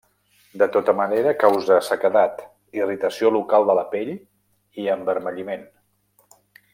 De tota manera, causa sequedat, irritació local de la pell i envermelliment.